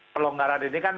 pelonggaran ini kan